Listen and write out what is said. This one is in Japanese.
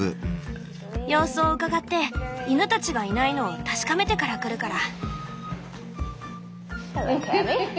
様子をうかがって犬たちがいないのを確かめてから来るから。